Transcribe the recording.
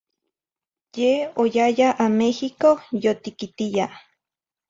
Yeh oyaya a Mexico yotiquitiya